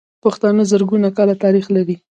پښتانه زرګونه کاله تاريخ لري.